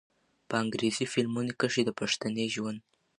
په انګرېزي فلمونو کښې د پښتني ژوند